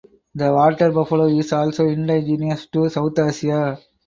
The water buffalo is also indigenous to South Asia.